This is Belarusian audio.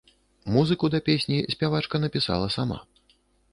Музыку да песні спявачка напісала сама.